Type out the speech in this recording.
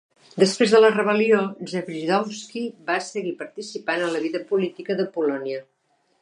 Després de la rebel·lió, Zebrzydowski va seguir participant a la vida política de Polònia.